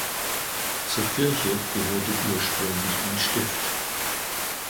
Zur Kirche gehörte ursprünglich ein Stift.